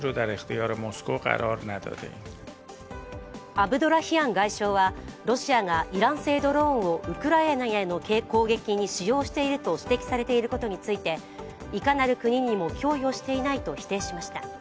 アブドラヒアン外相はロシアがイラン製ドローンをウクライナへの攻撃に使用していると指摘されていることについていかなる国にも供与していないと否定しました。